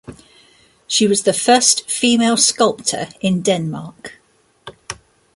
She was the first female sculptor in Denmark.